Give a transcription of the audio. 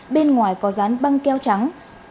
bên ngoài có dán băng keo trắng